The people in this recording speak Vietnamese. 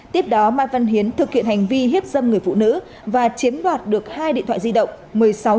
tiếp đó mai văn hiến thực hiện hành vi hiếp dâm người phụ nữ và chiếm đoạt được hai điện thoại di động